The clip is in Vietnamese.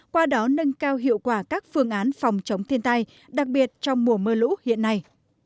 qua đó nâng cao hiệu quả các phương án phòng chống thiên tai đặc biệt trong mùa mưa lũ hiện nay